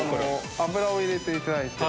油を入れていただいて。